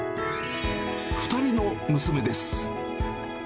２人の娘です。